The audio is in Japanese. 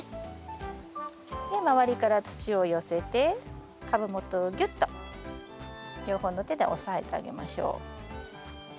で周りから土を寄せて株元をぎゅっと両方の手で押さえてあげましょう。